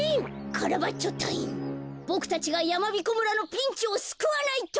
ボクたちがやまびこ村のピンチをすくわないと。